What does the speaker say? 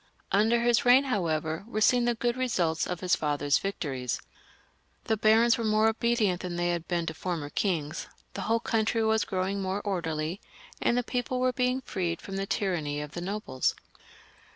Under his reign, however, were seen the good results of his father's victories. The barons were more obedient than they had been to former kings, the whole country was growing more orderly, and the people were being freed from the tyranny of the nobles.